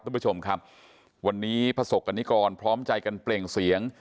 คุณผู้ชมครับวันนี้ประสบกรณิกรพร้อมใจกันเปล่งเสียง